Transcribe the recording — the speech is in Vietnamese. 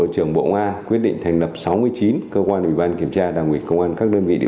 trong quá trình thực hiện nhiệm vụ kiểm tra giám sát đã trải qua không ít khó khăn luôn bị tác động áp lực từ nhiều phía